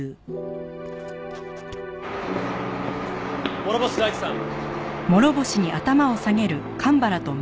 諸星大地さん。